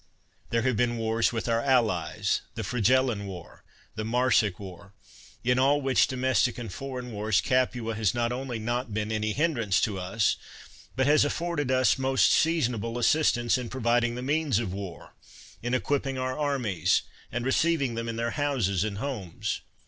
There have been wars with our allies, — the Fregellan War, the Marsic War; in all which domestic and foreign wars Capua has not only not been any hindrance to us, but has af forded us most seasonable assistance in provi ding the means of war, in equipping our armies, and receiving them in their houses and homes.